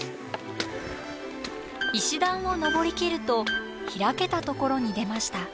石段を登りきると開けたところに出ました。